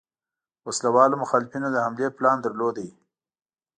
وسله والو مخالفینو د حملې پلان درلود.